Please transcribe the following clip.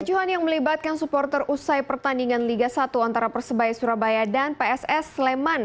kecuhan yang melibatkan supporter usai pertandingan liga satu antara persebaya surabaya dan pss sleman